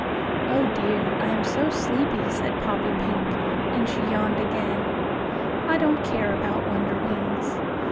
"] "Oh dear! I am so sleepy," said Poppypink, and she yawned again. "I don't care about Wonderwings."